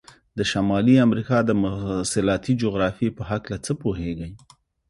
د شمالي امریکا د مواصلاتي جغرافیې په هلکه څه پوهیږئ؟